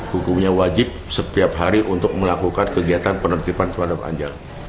hukumnya wajib setiap hari untuk melakukan kegiatan penertiban kepada pak anjal